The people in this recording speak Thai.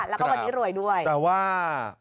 แล้วก็วันนี้รวยด้วยแต่ว่า